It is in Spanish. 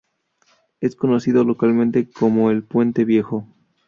Es conocido localmente como "El Puente Viejo".